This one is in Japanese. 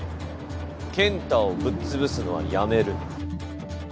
健太をぶっつぶすのはやめる。